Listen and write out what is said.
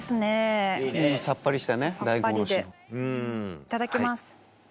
いただきます。